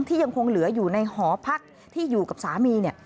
ที่ยังคงเหลืออยู่ในหอพักที่อยู่กับสามี